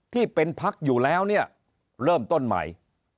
ที่เป็นพักอยู่แล้วเนี่ยเริ่มต้นใหม่